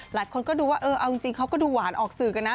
หลายคนก็ดูว่าเออเอาจริงเขาก็ดูหวานออกสื่อกันนะ